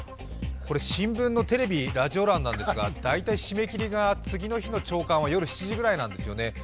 新聞のテレビ・ラジオ欄なんですが大体締め切りが次の日の朝刊は夜７時ぐらいなんですよね。